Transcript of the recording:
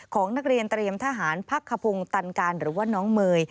ของนักเรียนเตรียมทหารพักขพงศ์ตันการหรือว่าน้องเมย์